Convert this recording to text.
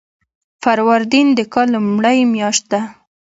فروردین د کال لومړۍ میاشت ده.